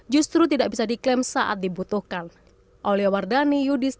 justru tidak bisa diklaim saat dibutuhkan